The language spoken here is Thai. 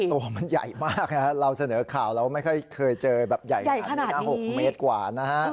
ตัวมันใหญ่มากเราเสนอข่าวเราไม่เคยเจอใหญ่ขนาดนี้๖เมตรกว่า